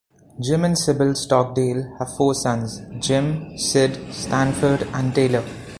Jim and Sybil Stockdale have four sons, Jim, Sid, Stanford and Taylor.